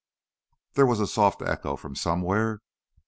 There was a soft echo from somewhere